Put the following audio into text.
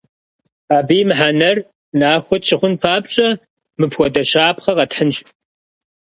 Абы и мыхьэнэр нахуэ тщыхъун папщӏэ, мыпхуэдэ щапхъэ къэтхьынщ.